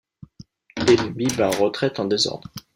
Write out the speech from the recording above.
Ennemi bat en retraite en désordre.